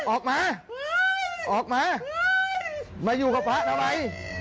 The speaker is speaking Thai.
ออกมาออกมามาอยู่กับพระทำไม